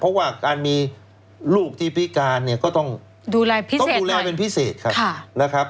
เพราะว่าการมีลูกที่พิการเนี่ยก็ต้องดูแลเป็นพิเศษครับนะครับ